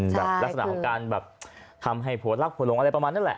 ลักษณะของการแบบทำให้ผัวรักผัวหลงอะไรประมาณนั้นแหละ